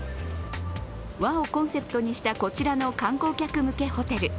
和をコンセプトにしたこちらの観光客向けホテル。